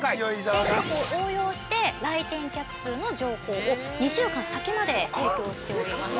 ◆天気予報を応用して、来店客数の情報を２週間先まで提供しております。